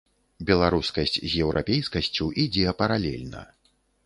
Беларускасць з еўрапейскасцю ідзе паралельна.